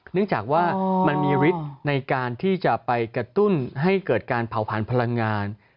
เนื่องจากว่ามันมีฤทธิ์ในการที่จะไปกระตุ้นให้เกิดการเผาผันพลังงาน